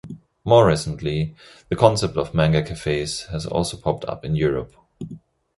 More recently, the concept of manga cafes has also popped up in Europe.